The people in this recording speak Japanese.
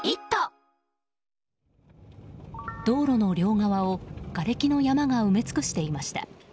道路の両側をがれきの山が埋め尽くしていました。